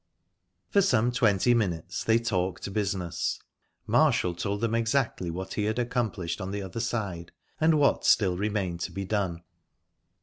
For some twenty minutes they talked business. Marshall told them exactly what he had accomplished on the other side, and what still remained to be done.